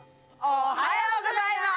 おはようございます！